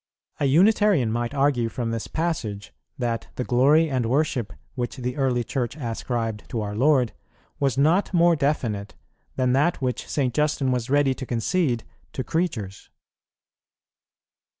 "[20:2] A Unitarian might argue from this passage that the glory and worship which the early Church ascribed to our Lord was not more definite than that which St. Justin was ready to concede to creatures.